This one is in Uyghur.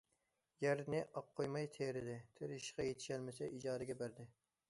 يەرنى ئاق قويماي تېرىدى، تېرىشقا يېتىشەلمىسە ئىجارىگە بەردى.